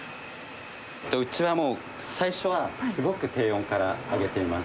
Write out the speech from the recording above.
うちはもう、最初はすごく低温から揚げています。